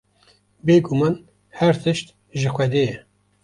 Bêguman her tişt ji Xwedê ye.